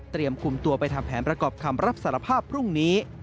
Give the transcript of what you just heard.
คุมตัวไปทำแผนประกอบคำรับสารภาพพรุ่งนี้